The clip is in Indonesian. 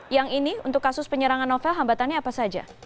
yang ini untuk kasus penyerangan novel hambatannya apa saja